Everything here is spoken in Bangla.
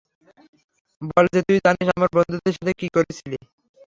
বল যে তুই জানিস আমার বন্ধুদের সাথে কী করেছিলি।